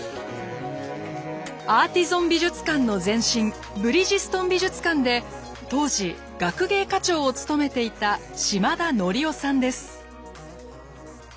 アーティゾン美術館の前身ブリヂストン美術館で当時学芸課長を務めていた島田紀夫さんです。